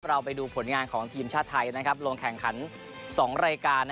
เราไปดูผลงานของทีมชาติไทยลงแข่งขันสองรายการ